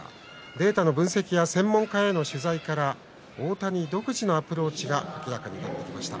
データの分析や専門家への取材から大谷独自のアプローチが明らかになってきました。